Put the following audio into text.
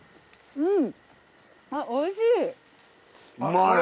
うん。